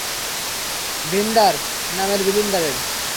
ভিন্ডার নামের বিল্ডাররে।